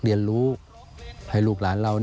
เรียนรู้ให้ลูกหลานเรา